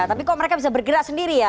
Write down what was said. tapi kok mereka bisa bergerak sendiri ya